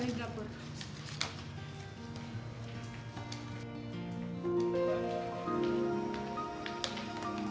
enggak liat ya